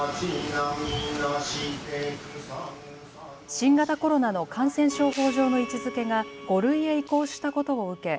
新型コロナの感染症法上の位置づけが５類へ移行したことを受け